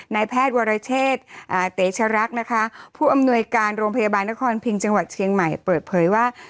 นายแพทย์วรเชษเตชรักนะคะผู้อำนวยการโรงพยาบาลนครพิงจังหวัดเชียงใหม่เปิดเผยว่า